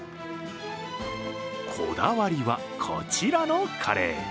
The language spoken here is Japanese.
こだわりは、こちらのカレー。